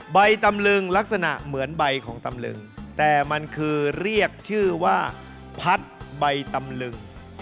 ใบตำลึงลักษณะเหมือนใบของตำลึงแต่มันคือเรียกชื่อว่าพัดใบตำลึง